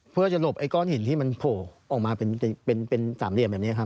เพื่อจะหลบไอ้ก้อนหินที่มันโผล่ออกมาเป็นสามเหลี่ยมแบบนี้ครับ